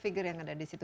figure yang ada di situ